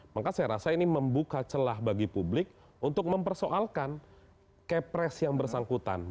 maka saya rasa ini membuka celah bagi publik untuk mempersoalkan kepres yang bersangkutan